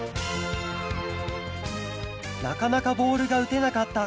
なかなかボールがうてなかった